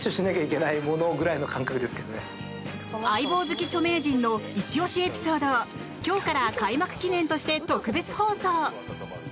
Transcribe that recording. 好き著名人のイチ押しエピソードを今日から開幕記念として特別放送。